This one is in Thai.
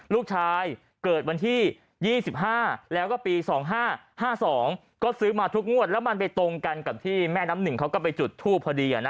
ลูกชายเกิดวันที่๒๕แล้วก็ปี๒๕๕๒ก็ซื้อมาทุกงวดแล้วมันไปตรงกันกับที่แม่น้ำหนึ่งเขาก็ไปจุดทูปพอดี